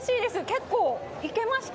結構、いけました！